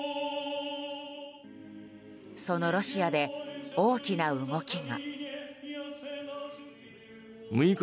そのロシアで大きな動きが。